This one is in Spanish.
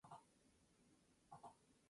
La ganadora fue Gina Swainson de Bermudas.